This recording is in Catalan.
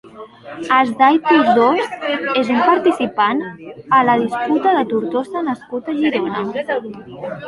Hasdai Todros és un participant a la Disputa de Tortosa nascut a Girona.